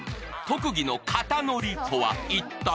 特技の肩乗りとは一体？